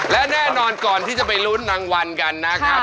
และแน่นอนก่อนที่จะไปลุ้นรางวัลกันนะครับ